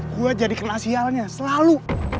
gue jadi kena sialnya selalu